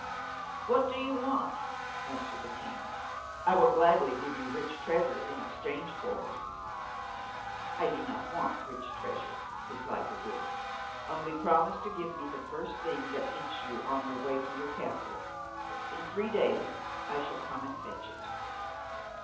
'What do you want?' answered the king. 'I will gladly give you rich treasure in exchange for it.' 'I do not want rich treasure,' replied the wolf. 'Only promise to give me the first thing that meets you on your way to your castle. In three days I shall come and fetch it.